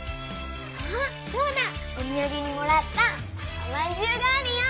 おみやげにもらったおまんじゅうがあるよ。